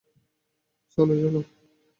চল।